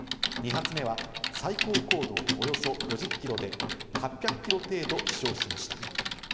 ２発目は最高高度およそ５０キロで８００キロ程度、飛翔しました。